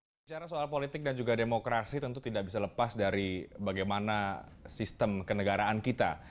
bicara soal politik dan juga demokrasi tentu tidak bisa lepas dari bagaimana sistem kenegaraan kita